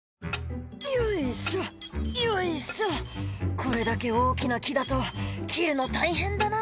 「これだけ大きな木だと切るの大変だな」